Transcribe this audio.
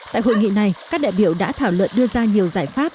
tại hội nghị này các đại biểu đã thảo luận đưa ra nhiều giải pháp